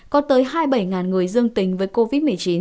có tới hai mươi bảy người dương tính với covid một mươi chín